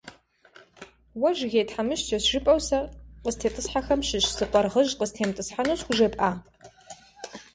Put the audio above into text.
Уэ Жыгей тхьэмыщкӀэщ, жыпӀэу сэ къыстетӀысхьэхэм щыщ зы къуаргъыжь къыстемытӀысхьэну схужепӀа?!